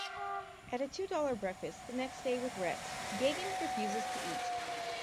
At a two dollar breakfast the next day with Retz, Gagin refuses to eat.